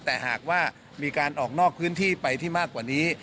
แต่หากว่ามีการออกนอกพื้นที่ไปที่มากกว่านี้